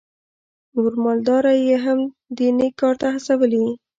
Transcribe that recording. نور مالداره یې هم دې نېک کار ته هڅولي.